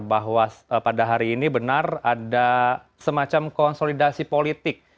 bahwa pada hari ini benar ada semacam konsolidasi politik